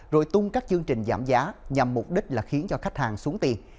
rồi tung các chương trình giảm giá nhằm mục đích là khiến cho khách hàng xuống tiền